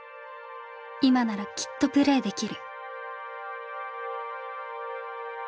今ならきっとプレーできる」。